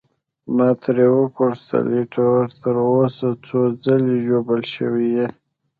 ما ترې وپوښتل: ایټوره، تر اوسه څو ځلي ژوبل شوی یې؟